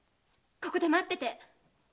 ここで待ってて。